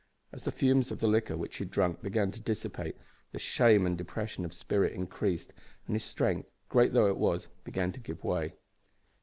As the fumes of the liquor which he had drunk began to dissipate, the shame and depression of spirit increased, and his strength, great though it was, began to give way.